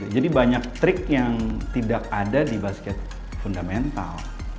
jadi banyak trik yang tidak ada di basket fundamental